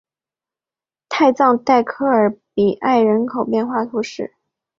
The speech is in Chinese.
泰藏代科尔比埃人口变化图示